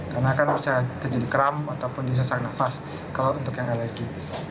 karena akan bisa terjadi keram ataupun disesak nafas kalau untuk yang alergi